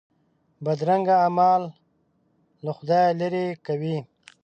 بدرنګه اعمال له خدایه لیرې کوي